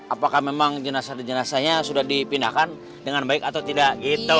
apakah memang jenazah jenazahnya sudah dipindahkan dengan baik atau tidak gitu